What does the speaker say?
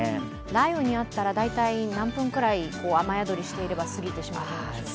雷雨に遭ったら大体何分ぐらい雨宿りしたら過ぎるんでしょうか？